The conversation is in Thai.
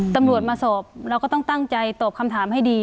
ตำรวจมาสอบเราก็ต้องตั้งใจตอบคำถามให้ดี